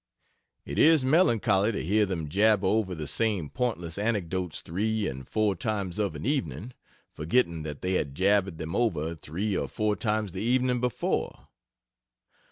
It is melancholy to hear them jabber over the same pointless anecdotes three and four times of an evening, forgetting that they had jabbered them over three or four times the evening before.